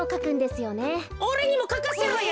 おれにもかかせろよ。